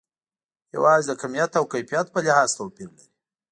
یوازې د کمیت او کیفیت په لحاظ توپیر لري.